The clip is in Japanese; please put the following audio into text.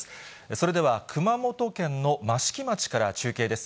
それでは熊本県の益城町から中継です。